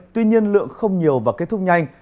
tuy nhiên lượng không nhiều và kết thúc nhanh